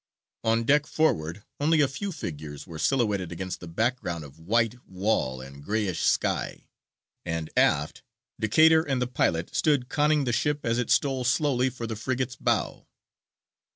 On deck forward only a few figures were silhouetted against the background of white wall and grayish sky; and aft Decatur and the pilot stood conning the ship as it stole slowly for the frigate's bow.